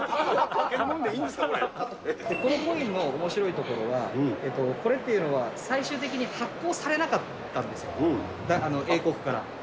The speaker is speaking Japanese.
このコインのおもしろいところは、これっていうのは、最終的に発行されなかったんですよ、英国から。